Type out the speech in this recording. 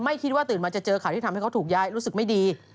คิดว่าตื่นมาจะเจอข่าวที่ทำให้เขาถูกย้ายรู้สึกไม่ดี